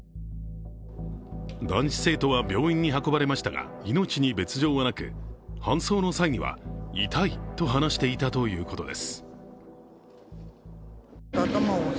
男子生徒は病院に運ばれましたが、命に別状はなく搬送の際には「痛い」と話していたということです。